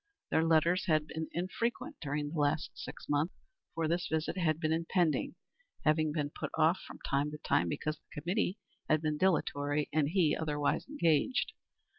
Their letters had been infrequent during the last six months, for this visit had been impending, having been put off from time to time because the committee had been dilatory and he otherwise engaged.